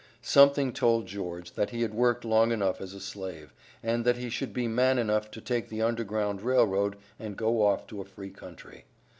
"Something told" George that he had worked long enough as a slave, and that he should be man enough to take the Underground Rail Road and go off to a free country.